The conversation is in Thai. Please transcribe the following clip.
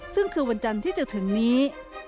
ซึ่งคือวันจันทร์ที่จะถึงนี้